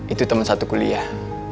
itu teman satu kuliah